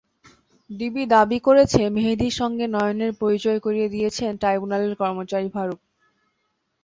DB দাবি করেছে, মেহেদির সঙ্গে নয়নের পরিচয় করিয়ে দিয়েছেন ট্রাইব্যুনালের কর্মচারী ফারুক।